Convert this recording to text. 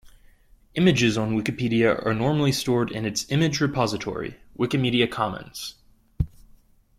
Images used on Wikipedia are normally stored in its image repository, Wikimedia Commons